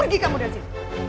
pergi kamu dari sini